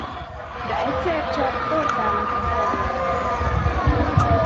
De egyszer csak torkán akadt a lélegzet.